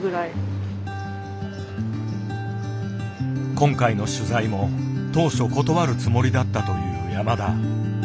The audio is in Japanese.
今回の取材も当初断るつもりだったという山田。